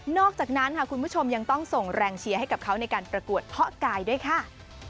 อกจากนั้นค่ะคุณผู้ชมยังต้องส่งแรงเชียร์ให้กับเขาในการประกวดเพาะกายด้วยค่ะ